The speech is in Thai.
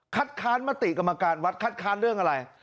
ค้านมติกรรมการวัดคัดค้านเรื่องอะไร